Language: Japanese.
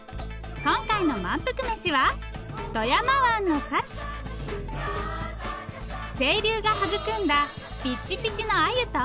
今回の「まんぷくメシ！」は清流が育んだピッチピチのアユと。